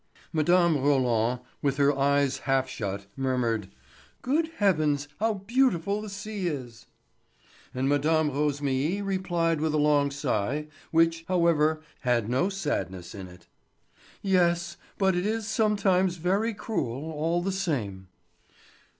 Mme. Roland, with her eyes half shut, murmured: "Good heavens, how beautiful the sea is!" And Mme. Rosémilly replied with a long sigh, which, however, had no sadness in it: "Yes, but it is sometimes very cruel, all the same."